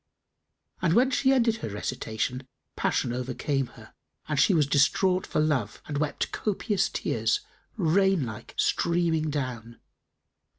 And when she ended her recitation, passion overcame her and she was distraught for love and wept copious tears, rain like streaming down.